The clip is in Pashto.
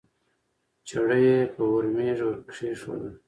چړه یې په ورمېږ ورکېښوده